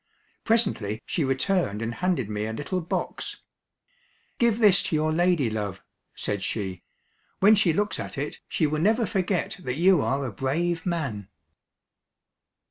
Presently she returned and handed me a little box. "Give this to your ladylove," said she; "when she looks at it, she will never forget that you are a brave man."